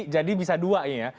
jadi bisa dua ya